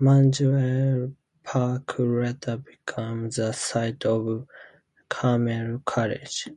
Mongewell Park later became the site for Carmel College.